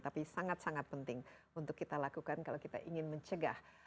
tapi sangat sangat penting untuk kita lakukan kalau kita ingin mencegah